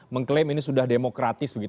saya kira ini sudah demokratis